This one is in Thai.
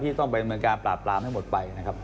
ที่ต้องเป็นเมืองการปราบตามให้หมดไปนะครับ